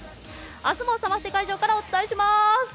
明日もサマステ会場からお伝えします。